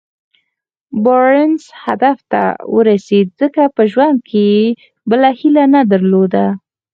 بارنس هدف ته ورسېد ځکه په ژوند کې يې بله هيله نه درلوده.